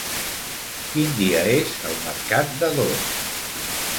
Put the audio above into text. Quin dia és el mercat d'Ador?